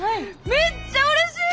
めっちゃうれしい！